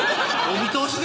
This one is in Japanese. お見通し